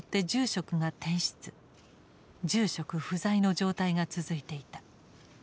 住職不在の状態が続いていた。